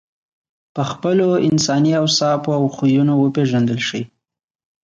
په خپلو انساني اوصافو او خویونو وپېژندل شې.